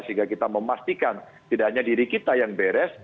sehingga kita memastikan tidak hanya diri kita yang beres